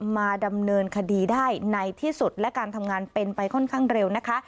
มาดำเนินคดีได้ในที่สุดและการทำงานเป็นไปค่อนข้างเร็วนะคะ